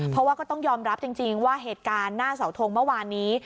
เพราะว่าก็ต้องยอมรับจริงว่าเหตุการณ์หน้าเสาทงเมื่อวานนี้